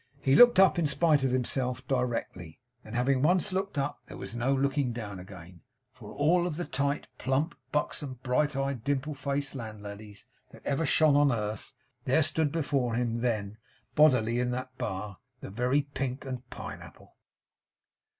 He looked up in spite of himself directly; and having once looked up, there was no looking down again; for of all the tight, plump, buxom, bright eyed, dimple faced landladies that ever shone on earth, there stood before him then, bodily in that bar, the very pink and pineapple.